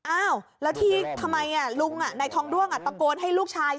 อ้าวแล้วที่ทำไมลุงนายทองด้วงตะโกนให้ลูกชาย